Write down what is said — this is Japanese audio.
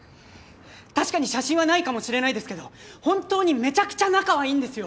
確かに写真はないかもしれないですけど本当にめちゃくちゃ仲はいいんですよ。